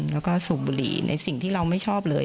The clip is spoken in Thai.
แล้วก็สูบบุหรี่ในสิ่งที่เราไม่ชอบเลย